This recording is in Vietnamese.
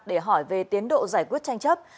để hỏi về tiến độ giải quyết tranh chấp